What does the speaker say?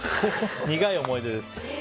苦い思い出です。